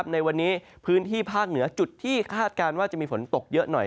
ในวันนี้พื้นที่ภาคเหนือจุดที่คาดการณ์ว่าจะมีฝนตกเยอะหน่อย